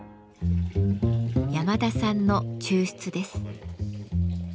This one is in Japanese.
山田さんの抽出です。